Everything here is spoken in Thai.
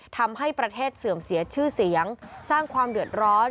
ทำให้ประเทศเสื่อมเสียชื่อเสียงสร้างความเดือดร้อน